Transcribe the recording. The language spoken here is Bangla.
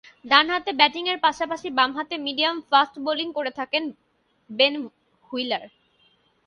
ডানহাতে ব্যাটিংয়ের পাশাপাশি বামহাতে মিডিয়াম-ফাস্ট বোলিং করে থাকেন বেন হুইলার।